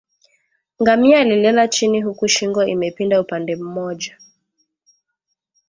Ngamia aliyelala chini huku shingo imepinda upande mmoja